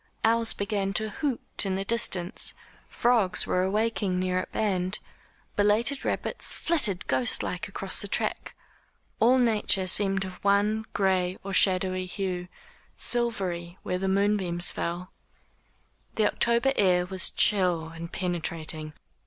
Owls began to hoot in the distance, frogs were awaking near at hand, belated rabbits flitted ghost like across the track. All nature seemed of one gray or shadowy hue silvery where the moonbeams fell. The October air was chill and penetrating.